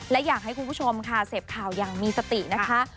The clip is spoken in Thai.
และอยากให้คุณผู้ชมค่ะเสพข่าวอย่างมีสตินะคะ